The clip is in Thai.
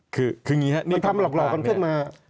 คืออย่างนี้ครับมันทำหลอกกันขึ้นมา